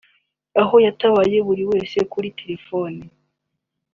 aho yitabaga buri wese kuri telefoni